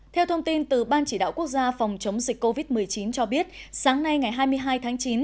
theo thông tin từ ban chỉ đạo quốc gia phòng chống dịch covid một mươi chín cho biết sáng nay ngày hai mươi hai tháng chín